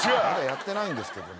やってないんですけどね。